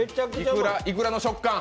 いくらの食感？